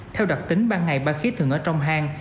theo đặc tính ban ngày ba khía thường ở trong hàng